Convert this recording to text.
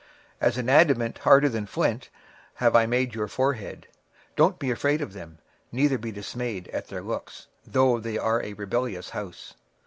26:003:009 As an adamant harder than flint have I made thy forehead: fear them not, neither be dismayed at their looks, though they be a rebellious house.